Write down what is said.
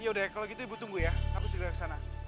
ya udah kalau gitu ibu tunggu ya aku segera ke sana